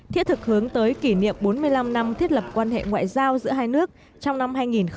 thiết thực hướng tới kỷ niệm bốn mươi năm năm thiết lập quan hệ ngoại giao giữa hai nước trong năm hai nghìn hai mươi